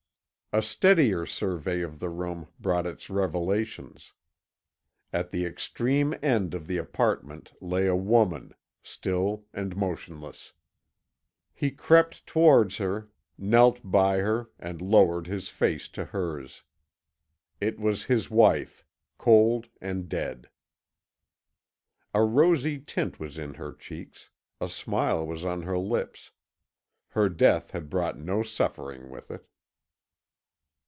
A steadier survey of the room brought its revelations. At the extreme end of the apartment lay a woman, still and motionless. He crept towards her, knelt by her, and lowered his face to hers. It was his wife, cold and dead! A rosy tint was in her cheeks; a smile was on her lips; her death had brought no suffering with it.